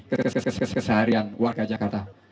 keseharian warga jakarta